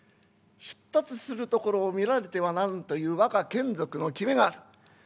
出立するところを見られてはならんという我がけん属の決めがある。